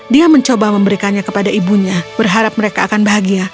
dia mencoba memberikannya kepada ibunya berharap mereka akan bahagia